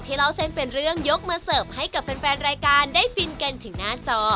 เล่าเส้นเป็นเรื่องยกมาเสิร์ฟให้กับแฟนรายการได้ฟินกันถึงหน้าจอ